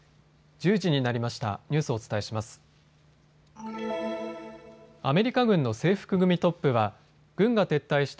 １０時になりました。